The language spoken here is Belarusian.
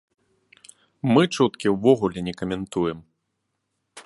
Мы чуткі ўвогуле не каментуем.